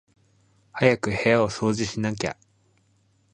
早く部屋を掃除しなきゃ